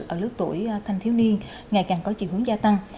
ở lớp tuổi thanh thiếu niên ngày càng có trình hướng gia tăng